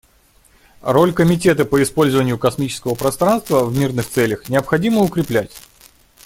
Роль Комитета по использованию космического пространства в мирных целях необходимо укреплять.